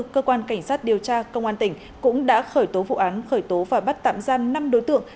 cơ quan cảnh sát điều tra công an tỉnh cũng đã khởi tố vụ án khởi tố và bắt tạm giam năm đối tượng